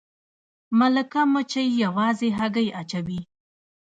ملکه مچۍ یوازې هګۍ اچوي